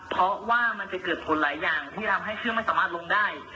เพราะว่ามันจะเกิดผลหลายอย่างที่ทำให้เครื่องไม่สามารถลงได้